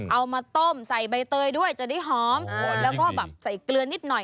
เอามาต้มใส่ใบเตยด้วยจะได้หอมแล้วก็แบบใส่เกลือนิดหน่อย